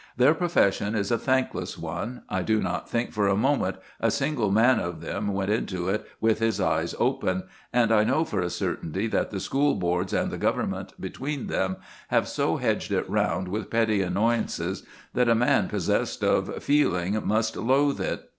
Their profession is a thankless one. I do not think for a moment a single man of them went into it with his eyes open, and I know for a certainty that the school boards and the Government between them have so hedged it round with petty annoyances that a man possessed of feeling must loathe it.